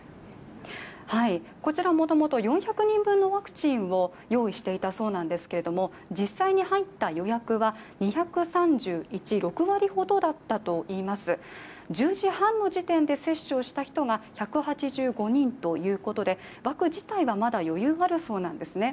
こちら、もともと４００人分のワクチンを用意していたそうなんですけれども実際に入った予約は２３１、６割ほどだったといいます、１０時半の時点で接種した人が１８５人ということで枠自体はまだ余裕があるそうなんですね。